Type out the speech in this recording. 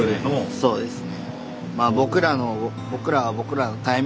そうですね。